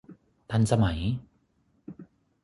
ทันสมัย